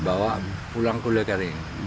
bawa pulang ke ule kering